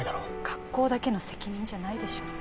学校だけの責任じゃないでしょ。